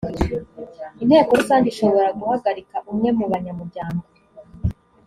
inteko rusange ishobora guhagarika umwe mu banyamuryango